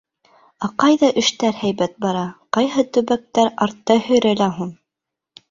Ә ҡайҙа эштәр һәйбәт бара, ҡайһы төбәктәр артта һөйрәлә һуң?